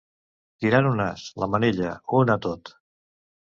Tirar un as, la manilla, un atot.